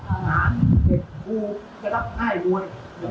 เหตุผู้จะรับง่ายรวย